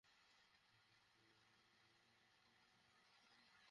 এতে police super Rashidul হাসানকে সম্মাননা স্মারক প্রদান করেন আজাদ মালিতা।